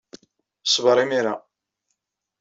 Ṣber imir-a.